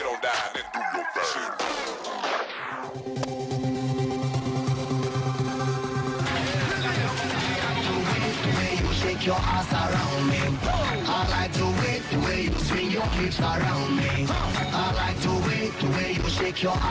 อย่างนั้นที่ข้อระดับมืออาชีพ